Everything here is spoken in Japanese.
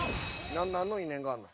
何の因縁があんの？